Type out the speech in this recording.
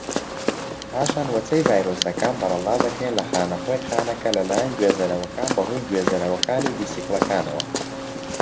پاشان وەچەی ڤایرۆسەکان بەرەڵا دەکرێن لە خانەخوێی خانەکە لەلایەن گوێزەرەوەکان بەهۆی گوێزەرەوەکانی ڤیسیکڵەکانەوە.